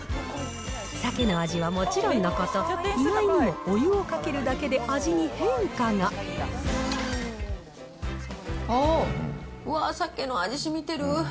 さけの味はもちろんのこと、意外にもお湯をかけるだけで味に変化わー、さけの味しみてる。